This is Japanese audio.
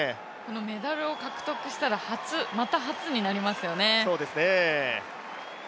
メダルを獲得したら、また初になりますね。